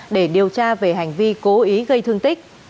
để điều tra về hành vi cố ý gây thương tích